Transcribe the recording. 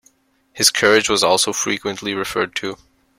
His courage was also frequently referred to.